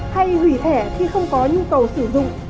hay hủy thẻ khi không có nhu cầu sử dụng